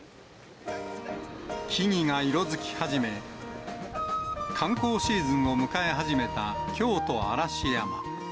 木々が色づき始め、観光シーズンを迎え始めた京都・嵐山。